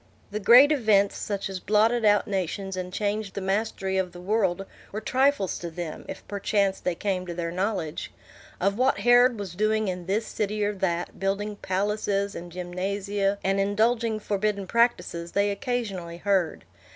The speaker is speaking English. The great events, such as blotted out nations and changed the mastery of the world, were trifles to them, if perchance they came to their knowledge. Of what Herod was doing in this city or that, building palaces and gymnasia, and indulging forbidden practises, they occasionally heard.